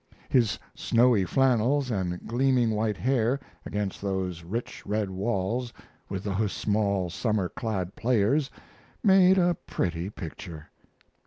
His snowy flannels and gleaming white hair, against those rich red walls, with those small, summer clad players, made a pretty picture.